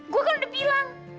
gue kan udah bilang